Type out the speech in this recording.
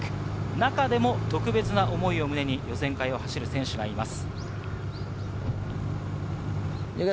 中でも特別な思いを胸に予選会を走る選手がいます。